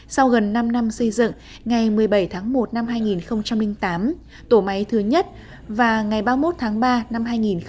sau gần năm năm xây dựng ngày một mươi bảy tháng một năm hai nghìn tám tổ máy thứ nhất và ngày ba mươi một tháng ba năm hai nghìn một mươi